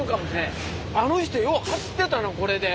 あの人よう走ってたなこれで。